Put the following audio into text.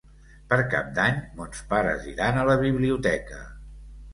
Per Cap d'Any mons pares iran a la biblioteca.